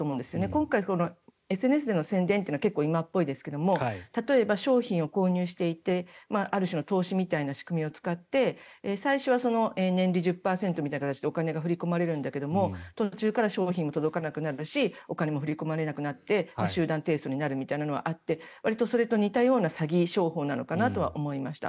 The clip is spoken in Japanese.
今回、ＳＮＳでの宣伝というのは結構、今っぽいですけど例えば商品を購入していてある種の投資みたいな仕組みを使って最初は年利１０％みたいな形でお金が振り込まれるんだけど途中から商品が届かなくなるしお金も振り込まれなくなって集団提訴みたいになるというのはあってわりとそれと似たような詐欺商法なのかなと思いました。